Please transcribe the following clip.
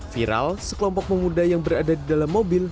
viral sekelompok pemuda yang berada di dalam mobil